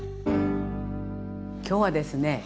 今日はですね